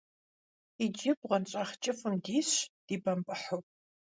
Иджы бгъуэнщӀагъ кӀыфӀым дисщ, дибэмпӀыхьу.